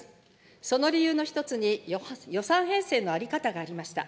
その理由の一つに、予算編成の在り方がありました。